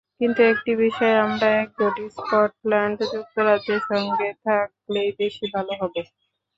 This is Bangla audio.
কিন্তু একটি বিষয়ে আমরা একজোট—স্কটল্যান্ড যুক্তরাজ্যের সঙ্গে থাকলেই বেশি ভালো হবে।